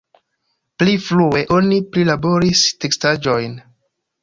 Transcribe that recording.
Pli frue oni prilaboris teksaĵojn.